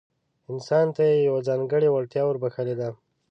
انسان ته يې يوه ځانګړې وړتيا وربښلې ده.